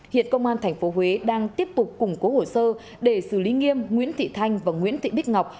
hiện công an tp huế đang tiếp tục củng cố hồ sơ để xử lý nghiêm nguyễn thị thanh và nguyễn thị bích ngọc